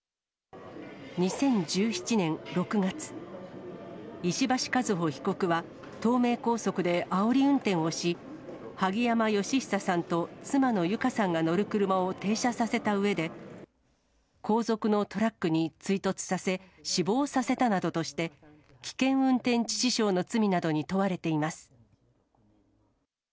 ２０１７年６月、石橋和歩被告は、東名高速であおり運転をし、萩山嘉久さんと妻の友香さんが乗る車を停車させたうえで、後続のトラックに追突させ、死亡させたなどとして、危険運転致死傷の罪などに問われています。